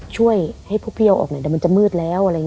ช่วยให้พวกพี่เอาออกไหนแต่มันจะมืดแล้ว